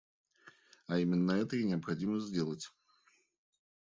А именно это и необходимо сделать.